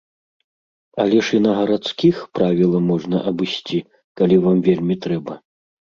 Але ж і на гарадскіх правіла можна абысці, калі вам вельмі трэба.